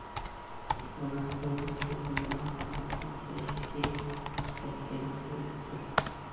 مانا بۇ، يۇقۇمغا تاقابىل تۇرۇشتىكى مۇستەھكەم تۈۋرۈكتۇر.